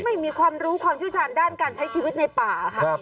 ไม่มีความรู้ความเชี่ยวชาญด้านการใช้ชีวิตในป่าค่ะ